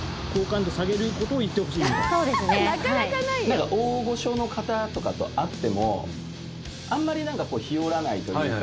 なんか大御所の方とかと会ってもあんまりひよらないというか。